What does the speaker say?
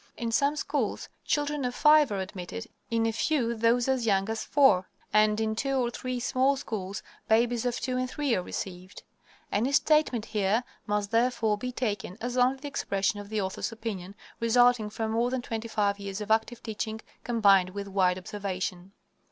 In some schools children of five are admitted, in a few those as young as four, and in two or three small schools babies of two and three are received. Any statement here must, therefore, be taken as only the expression of the author's opinion, resulting from more than twenty five years of active teaching, combined with wide observation.